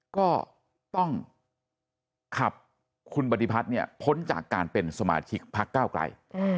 ก็ต้องขับคุณปฏิพัฒน์พ้นจากการเป็นสมาชิกภักร์ก้าวกลัย